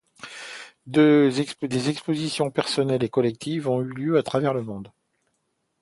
Des expositions personnelles et collectives ont eu lieu à travers le monde.